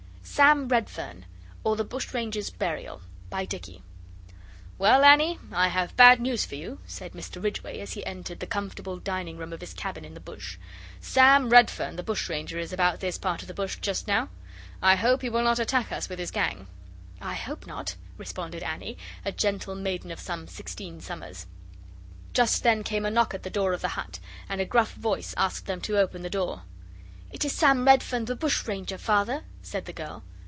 SAM REDFERN, OR THE BUSH RANGER'S BURIAL By Dicky 'Well, Annie, I have bad news for you,' said Mr Ridgway, as he entered the comfortable dining room of his cabin in the Bush. 'Sam Redfern the Bushranger is about this part of the Bush just now. I hope he will not attack us with his gang.' 'I hope not,' responded Annie, a gentle maiden of some sixteen summers. Just then came a knock at the door of the hut, and a gruff voice asked them to open the door. 'It is Sam Redfern the Bushranger, father,' said the girl.